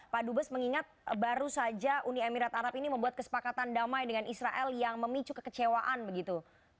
pak dubes mengingat baru saja uni emirat arab ini membuat kesepakatan damai dengan israel yang memicu kekecewaan begitu